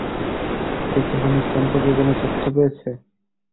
সে কি হানিফ সম্পর্কে কোনো তথ্য পেয়েছে?